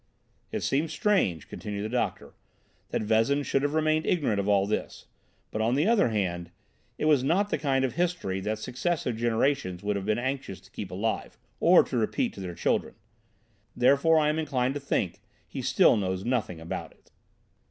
"It seems strange," continued the doctor, "that Vezin should have remained ignorant of all this; but, on the other hand, it was not the kind of history that successive generations would have been anxious to keep alive, or to repeat to their children. Therefore I am inclined to think he still knows nothing about it.